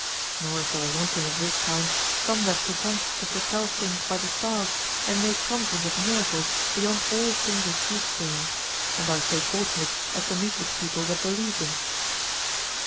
Nor is there wanting of this kind some that pretend to foretell things by the stars and make promises of miracles beyond all things of soothsaying, and are so fortunate as to meet with people that believe them.